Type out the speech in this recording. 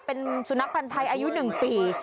เป็นสุนัขปันไทยอายุหนึ่งปี